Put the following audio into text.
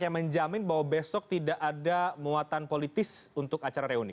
yang menjamin bahwa besok tidak ada muatan politis untuk acara reuni